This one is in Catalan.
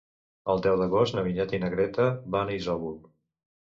El deu d'agost na Vinyet i na Greta van a Isòvol.